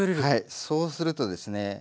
そうするとですね